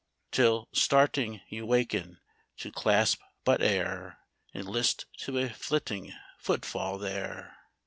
Till, Starting, you waken to clasp but air, And list to a flitting footfall there.